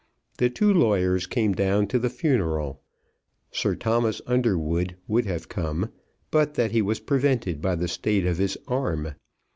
The two lawyers came down to the funeral. Sir Thomas Underwood would have come but that he was prevented by the state of his arm.